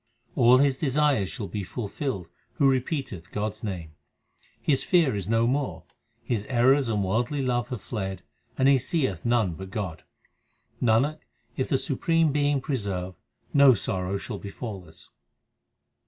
All his desires shall be fulfilled who repeateth God s name. His fear is no more, his errors and worldly love have fled, and he seeth none but God. Nanak, if the supreme Being preserve, no sorrow shall befall us.